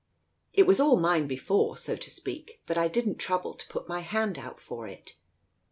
It was all mine before, so to speak, but I didn't trouble to put my hand out for it.